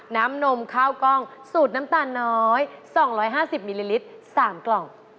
นมข้าวกล้องสูตรน้ำตาลน้อย๒๕๐มิลลิลิตร๓กล่อง